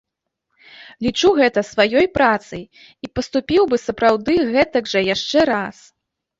Лічу гэта сваёй працай і паступіў бы сапраўды гэтак жа яшчэ раз.